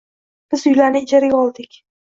Biz uylarni ijaraga oldik.